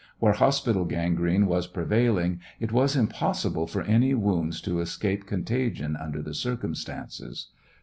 Where hospital gangrene was prevailing it was impossible for any wounds to escape con tagion under the circumstances.